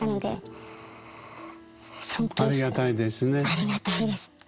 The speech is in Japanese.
ありがたいですね。